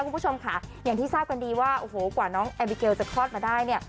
คุณผู้ชมค่ะอย่างที่ทราบกันดีว่าโอ้โหกว่าน้องแอมบิเกลจะคลอดมาได้เนี่ย